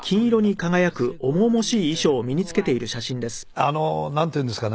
あのなんていうんですかね。